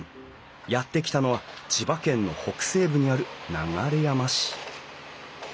やって来たのは千葉県の北西部にある流山市。